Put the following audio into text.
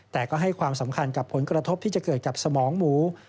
แต่ก็ให้ความสำคัญกับผลกระทบที่จะเกิดกับสมองหมู